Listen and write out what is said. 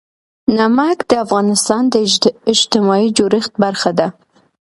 نمک د افغانستان د اجتماعي جوړښت برخه ده.